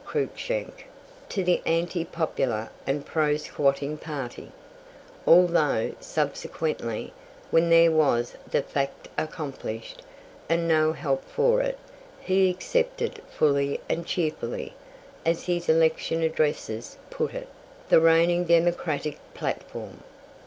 Cruikshank to the anti popular and pro squatting party; although, subsequently, when there was the "fact accomplished," and no help for it, he accepted "fully and cheerfully," as his election addresses put it, the reigning democratic platform.